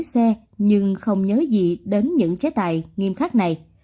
lái xe nhưng không nhớ gì đến những trái tài nghiêm khắc này